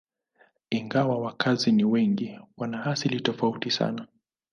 Ingawa wakazi si wengi, wana asili tofauti sana.